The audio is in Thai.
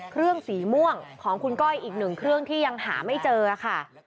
เครื่องสีม่วงของคุณก้อยอีกหนึ่งเครื่องที่ยังหาไม่เจอค่ะ